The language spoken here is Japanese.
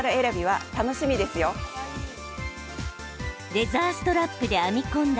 レザーストラップで編み込んだ